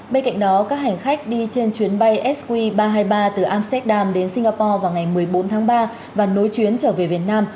bên cạnh đó các hành khách đi trên chuyến bay sq ba trăm hai mươi ba từ amsterdam đến singapore vào ngày một mươi bốn tháng ba và nối chuyến trở về việt nam